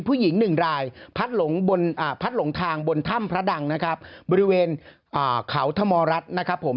พัดหลงทางบนถ้ำพระดังนะครับบริเวณเขาธมรัฐนะครับผม